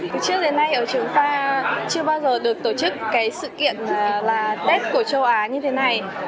trước đến nay ở trường pha chưa bao giờ được tổ chức sự kiện tết của châu á như thế này